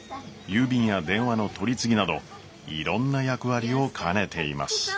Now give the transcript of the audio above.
郵便や電話の取り次ぎなどいろんな役割を兼ねています。